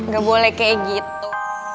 gak boleh kayak gitu